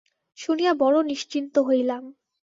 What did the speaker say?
শুনিয়া বড়ো নিশ্চিন্ত হইলাম।